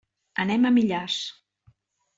Anem a Millars.